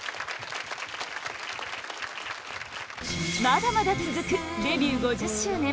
まだまだ続くデビュー５０周年！